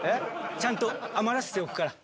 ちゃんと余らせておくから。